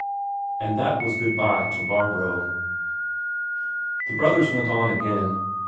And that was good bye to Barbro. The brothers went on again.